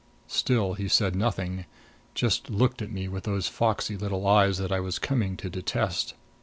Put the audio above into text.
Still he said nothing; just looked at me with those foxy little eyes that I was coming to detest.